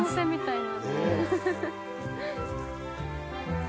みたいな。